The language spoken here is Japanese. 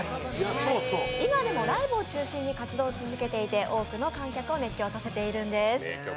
今でもライブを中心に活動を続けていて多くの観客を熱狂させているんです。